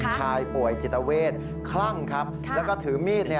ชายป่วยจิตเวทคลั่งครับแล้วก็ถือมีดเนี่ย